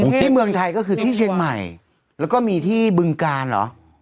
ที่เมืองไทยก็คือที่เชียงใหม่แล้วก็มีที่บึงกาลเหรอ